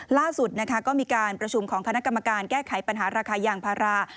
ล่าสุดนะคะก็มีการประชุมของคณะกรรมการแก้ไขปัญหาราคายางพารา